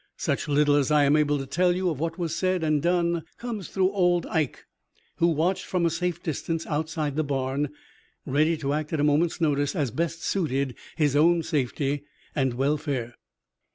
Such little as I am able to tell you of what was said and done comes through old Ike, who watched from a safe distance outside the barn, ready to act at a moment's notice as best suited his own safety and welfare.